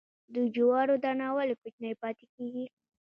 د جوارو دانه ولې کوچنۍ پاتې کیږي؟